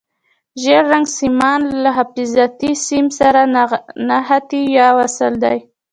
ژیړ رنګ سیمان له حفاظتي سیم سره نښتي یا وصل دي.